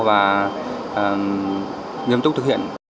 và nghiêm túc thực hiện